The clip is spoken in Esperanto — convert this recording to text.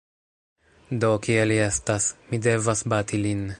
Do, kie li estas; mi devas bati lin